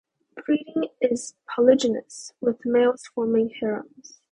Breeding is polygynous, with males forming harems.